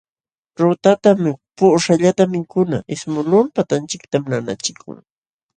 Ruurtata puquśhqallatam mikuna ismuqlul patanchiktam nanachikun.